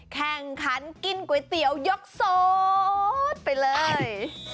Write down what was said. แข่งขันกินก๋วยเตี๋ยวยกโสดไปเลย